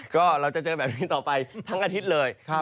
ก็เราจะเจอแบบนี้ต่อไปทั้งอาทิตย์เลย